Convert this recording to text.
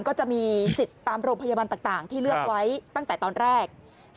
ก็จะมีสิทธิ์ตามโรงพยาบาลต่างที่เลือกไว้ตั้งแต่ตอนแรก